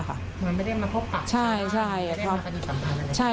เหมือนไม่ได้มาพบกับเขาหรือเปล่าไม่ได้มากระดูกสัมภาษณ์อะไรอย่างนั้นค่ะใช่ใช่